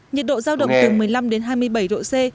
nhiệt độ giao động từ một mươi năm đến hai mươi bảy độ c